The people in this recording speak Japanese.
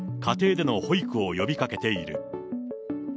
家庭での保育を呼びかけている。